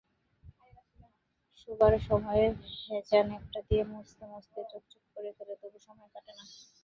শোবার মেঝে ভেজা ন্যাকড়া দিয়ে মুছতে-মুছতে চকচকে করে ফেলে, তবু সময় কাটে না।